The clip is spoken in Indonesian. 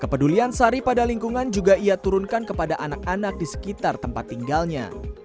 kepedulian sari pada lingkungan juga ia turunkan kepada anak anak di sekitar tempat tinggalnya